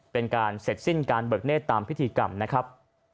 เป็นการเสร็จสิ้นการเบิกเนธตามพิธีกรรมนะครับ